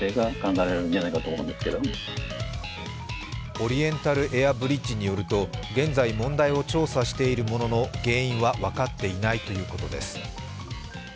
オリエンタルエアブリッジによると現在、問題を調査しているものの原因は分かっていないということです。